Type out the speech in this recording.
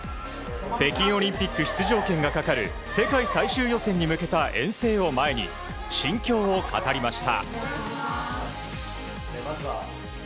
北京オリンピック出場権がかかる世界最終予選に向けた遠征を前に、心境を語りました。